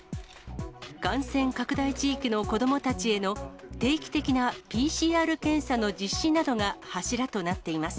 感染拡大地域の子どもたちへの、定期的なＰＣＲ検査の実施などが柱となっています。